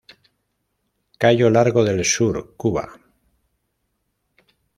Cayo largo del Sur, Cuba